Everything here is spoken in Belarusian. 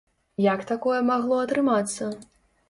Як такое магло атрымацца?